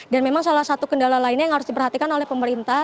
memang salah satu kendala lainnya yang harus diperhatikan oleh pemerintah